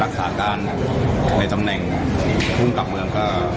นักขาดการณ์ในทำแน่งสู้กับเมือง